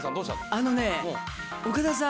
あのね岡田さん。